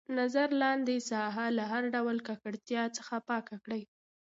نظر لاندې ساحه له هر ډول ککړتیا څخه پاکه کړئ.